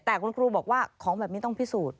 แต่คุณครูบอกว่าของแบบนี้ต้องพิสูจน์